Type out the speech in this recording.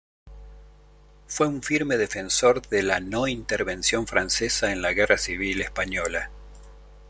Fue un firme defensor de la No Intervención francesa en la Guerra Civil Española.